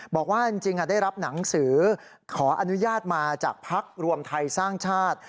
บอกว่าจริงได้รับหนังสือขออนุญาตมาจากพักรวมไทยสร้างชาติ